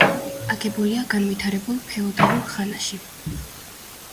აგებულია განვითარებულ ფეოდალურ ხანაში.